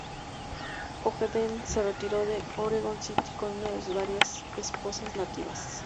Ogden se retiró a Oregon City con una de sus varias esposas nativas.